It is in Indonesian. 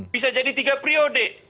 bisa jadi tiga priode